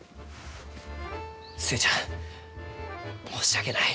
寿恵ちゃん、申し訳ない。